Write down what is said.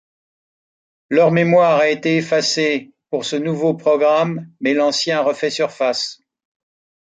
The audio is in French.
Leur mémoire a été effacée pour ce nouveau programme mais l'ancien refait surface.